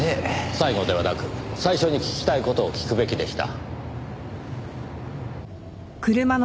最後ではなく最初に聞きたい事を聞くべきでした。